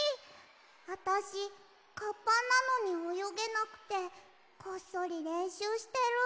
あたしカッパなのにおよげなくてこっそりれんしゅうしてるんだ。